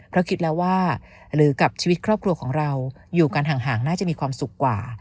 เพราะคิดแล้วว่าหรือกับชีวิตครอบครัวของเราอยู่กันห่างน่าจะมีความสุขกว่า